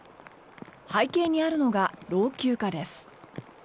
背景にあるのが老朽化です。